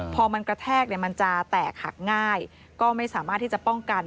พอมันกระแทกเนี่ยมันจะแตกหักง่ายก็ไม่สามารถที่จะป้องกัน